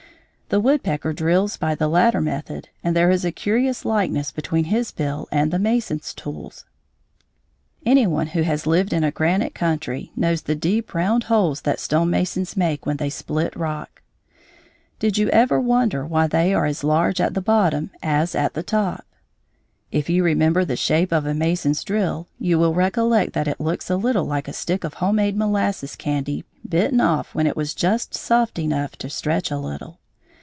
The woodpecker drills by the latter method and there is a curious likeness between his bill and the mason's tools. [Illustration: Head of Ivory billed Woodpecker.] Any one who has lived in a granite country knows the deep round holes that stone masons make when they split rock. Did you ever wonder why they are as large at the bottom as at the top? If you remember the shape of a mason's drill, you will recollect that it looks a little like a stick of home made molasses candy bitten off when it was just soft enough to stretch a little.